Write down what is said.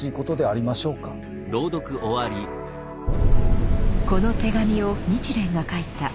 この手紙を日蓮が書いた１年半前。